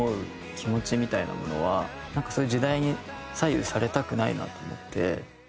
気持ちみたいなものはなんかそういう時代に左右されたくないなと思って。